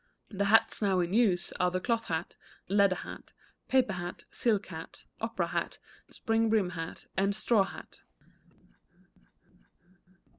The hats now in use are the cloth hat, leather hat, paper hat, silk hat, opera hat, spring brim hat, and straw hat.